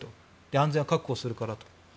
安全を確保するからと。